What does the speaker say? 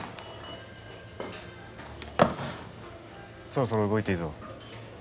そろそろ動いていいぞ。